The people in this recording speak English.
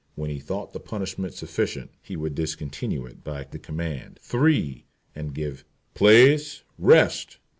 When he thought the punishment sufficient he would discontinue it by the command, "three," and give "place, rest."